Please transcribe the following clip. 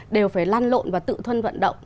đều phải lan lộn và tự thân vận động